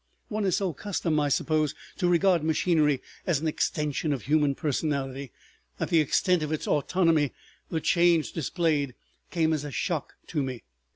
One is so accustomed, I suppose, to regard machinery as an extension of human personality that the extent of its autonomy the Change displayed came as a shock to me.